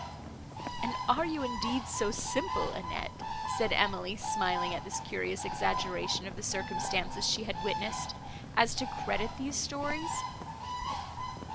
"And are you, indeed, so simple, Annette," said Emily, smiling at this curious exaggeration of the circumstances she had witnessed, "as to credit these stories?"